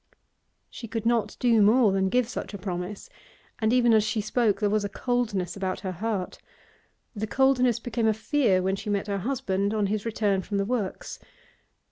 She could not do more than give such a promise, and even as she spoke there was a coldness about her heart. The coldness became a fear when she met her husband on his return from the works.